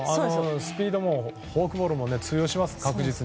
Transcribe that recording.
スピードもフォークボールも通用します、確実に。